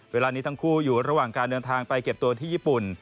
เวลานี้ทั้งคู่อยู่ระหว่างการเดินทางไปเก็บตัวที่ญี่ปุ่น